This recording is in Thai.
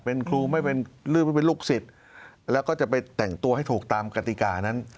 เป็นครูไม่เป็นลูกสิทธิ์แล้วก็จะไปแต่งตัวให้ถูกตามกติกานั้น